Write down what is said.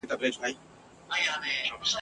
خو په منځ کي دا یو سوال زه هم لرمه ..